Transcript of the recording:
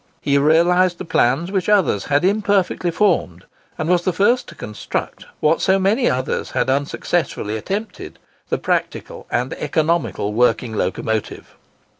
He realised the plans which others had imperfectly formed; and was the first to construct, what so many others had unsuccessfully attempted, the practical and economical working locomotive.